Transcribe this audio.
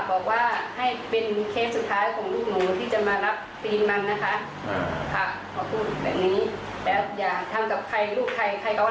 บอกว่ามันสมควรโดนตีน